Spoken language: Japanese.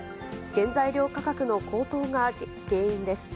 原材料価格の高騰が原因です。